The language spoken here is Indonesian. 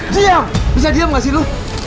diam bisa diam gak sih loh